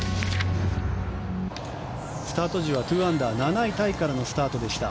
スタート時は２アンダー７位タイからのスタートでした。